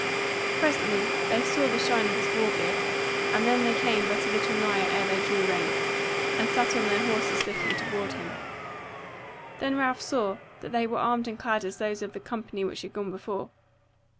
Presently they saw the shine of his war gear, and then they came but a little nigher ere they drew rein, and sat on their horses looking toward him. Then Ralph saw that they were armed and clad as those of the company which had gone before.